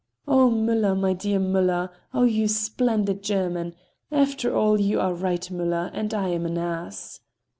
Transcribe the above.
"Oh, Müller! My dear Müller! Oh, you splendid German! After all you are right, Müller, and I am an ass!"